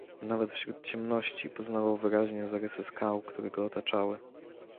"Nawet wśród ciemności poznawał wyraźnie zarysy skał, które go otaczały."